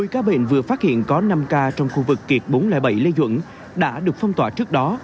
hai mươi ca bệnh vừa phát hiện có năm ca trong khu vực kiệt bốn trăm linh bảy lê duẩn đã được phong tỏa trước đó